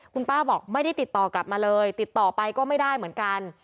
คุณป้าบอกไม่ได้ติดต่อกลับมาเลยติดต่อไปก็ไม่ได้เหมือนกัน